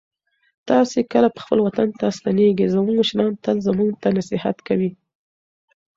تاسې کله خپل وطن ته ستنېږئ؟ زموږ مشران تل موږ ته نصیحت کوي.